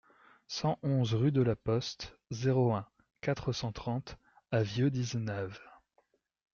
cent onze rue de la Poste, zéro un, quatre cent trente à Vieu-d'Izenave